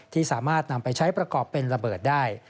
ที่สามารถนำไปใช้ประกอบเป็นระเบิดได้